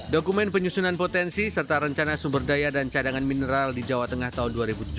dokumen penyusunan potensi serta rencana sumber daya dan cadangan mineral di jawa tengah tahun dua ribu tujuh belas